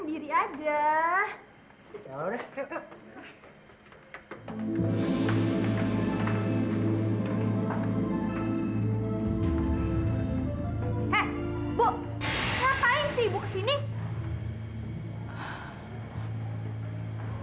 gue udah lapar nih